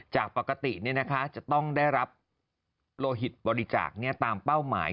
จากปกติจะต้องได้รับโลหิตบริจาคตามเป้าหมาย